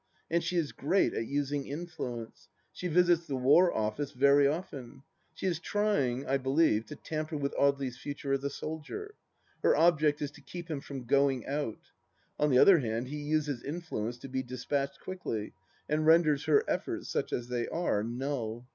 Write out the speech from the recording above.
And she is great at using influence. She visits the War Office very often. She is trying, I believe, to tamper with Audely 's future as a soldier. Her object is to keep him from " Going out," On the other hand, he uses influence to be dispatched quickly, and renders her efforts, such as they are, null.